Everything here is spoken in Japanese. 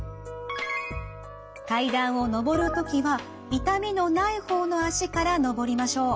階段を上る時は痛みのない方の脚から上りましょう。